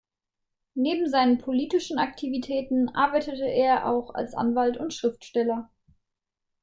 Neben seinen politischen Aktivitäten arbeitete er auch als Anwalt und Schriftsteller.